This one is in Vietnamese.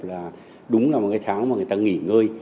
là đúng là một cái tháng mà người ta nghỉ ngơi